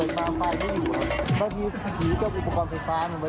ครับแล้วก็มีหล่อนเท่านั้นแหละ